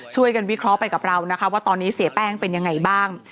วิเคราะห์ไปกับเรานะคะว่าตอนนี้เสียแป้งเป็นยังไงบ้าง